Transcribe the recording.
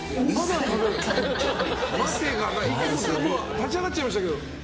立ち上がっちゃいました。